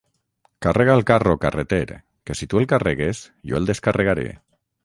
Carrega el carro, carreter que si tu el carregues, jo el descarregaré